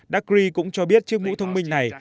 dakri cũng cho biết chiếc mũ thông minh này